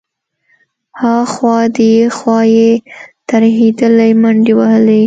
ها خوا دې خوا يې ترهېدلې منډې وهلې.